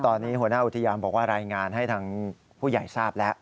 ตอนนี้หัวหน้าอุทยานบอกว่ารายงานให้ทางผู้ใหญ่ทราบแล้ว